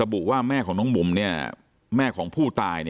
บุว่าแม่ของน้องบุ๋มแม่ของผู้ตาย